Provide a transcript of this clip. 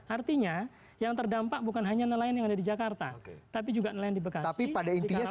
artinya yang terdampak bukan hanya nelayan yang ada di jakarta tapi juga nelayan di bekasi di karawang dan tenggerang